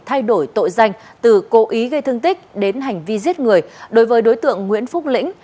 thay đổi tội danh từ cố ý gây thương tích đến hành vi giết người đối với đối tượng nguyễn phúc lĩnh